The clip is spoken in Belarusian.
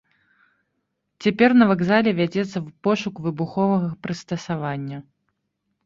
Цяпер на вакзале вядзецца пошук выбуховага прыстасавання.